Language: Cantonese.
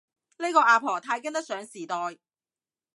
呢個阿婆太跟得上時代